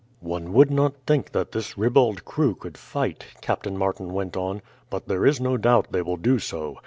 "One would not think that this ribald crew could fight," Captain Martin went on; "but there is no doubt they will do so.